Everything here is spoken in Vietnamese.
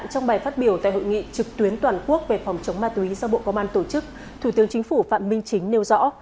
trong bài phát biểu tại hội nghị trực tuyến toàn quốc về phòng chống ma túy do bộ công an tổ chức thủ tướng chính phủ phạm minh chính nêu rõ